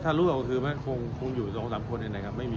แต่เรื่องนี้ก็เร็วมาก